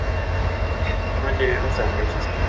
Actualmente vive en San Francisco.